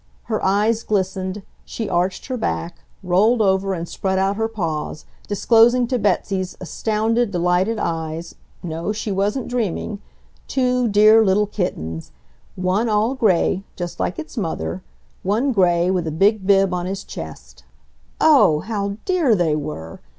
Her eyes glistened, she arched her back, rolled over and spread out her paws, disclosing to Betsy's astounded, delighted eyes—no, she wasn't dreaming—two dear little kittens, one all gray, just like its mother; one gray with a big bib on his chest. Oh! How dear they were!